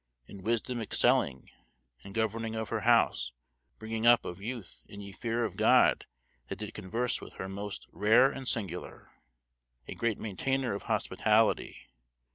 In wisdom excelling. In governing of her house, bringing up of youth in ye fear of God that did converse with her moste rare and singular. A great maintayner of hospitality.